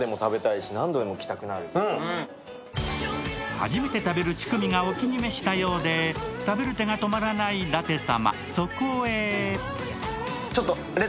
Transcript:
初めて食べるチュクミがお気に召したようで食べる手が止まらない舘様。